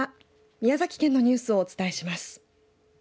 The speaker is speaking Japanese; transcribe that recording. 宮崎県のニュースをお伝えします。